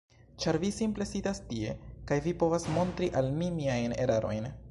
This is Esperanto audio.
Ĉar vi simple sidas tie, kaj vi povas montri al mi miajn erarojn.